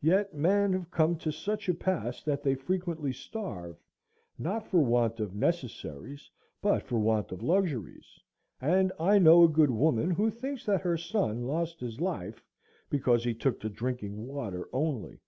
Yet men have come to such a pass that they frequently starve, not for want of necessaries, but for want of luxuries; and I know a good woman who thinks that her son lost his life because he took to drinking water only.